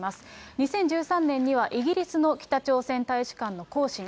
２０１３年には、イギリスの北朝鮮大使館の公使に。